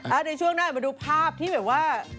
ในช่วงหน้ามาดูภาพที่แบบว่า